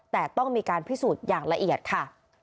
แต่ต้องมีการพิสูจน์อย่างละเอียดค่ะ